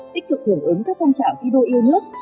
tích cực hưởng ứng các phong trào thi đua yêu nước